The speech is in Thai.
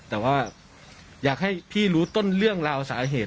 แต่ว่าอยากให้พี่รู้ต้นเรื่องราวสาเหตุ